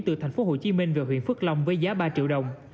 từ thành phố hồ chí minh về huyện phước long với giá ba triệu đồng